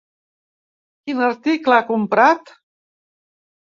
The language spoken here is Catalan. Quin article ha comprat?